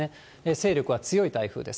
勢力は強い台風です。